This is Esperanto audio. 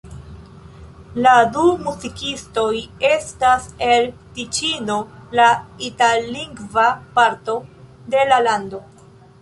La du muzikistoj estas el Tiĉino, la itallingva parto de la lando.